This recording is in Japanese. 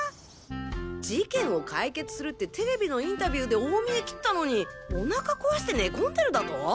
事件を解決するってＴＶのインタビューで大見得切ったのにお腹壊して寝込んでるだとぉ？